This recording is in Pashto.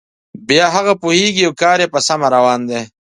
بیا هغه پوهیږي او کار یې په سمه روان دی.